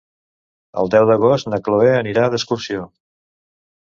El deu d'agost na Cloè anirà d'excursió.